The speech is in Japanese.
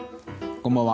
こんばんは。